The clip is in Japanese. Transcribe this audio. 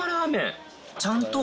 ちゃんと。